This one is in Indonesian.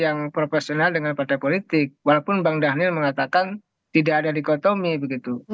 yang profesional dengan partai politik walaupun bang dhanil mengatakan tidak ada dikotomi begitu